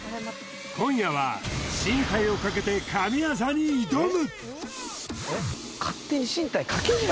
今夜は進退をかけて神業に挑む！